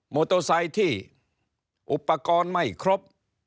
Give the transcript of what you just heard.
โตไซค์ที่อุปกรณ์ไม่ครบ